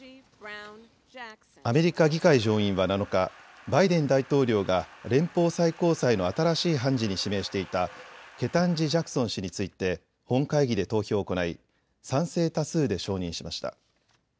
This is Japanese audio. アメリカ議会上院は７日、バイデン大統領が連邦最高裁の新しい判事に指名していたケタンジ・ジャクソン氏について本会議で投票を行い賛成多数で承認しました。